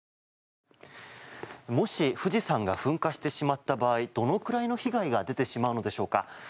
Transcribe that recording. もし富士山が噴火してしまった場合どのくらいの被害が出てしまうのでしょうか？